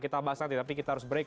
kita bahas nanti tapi kita harus break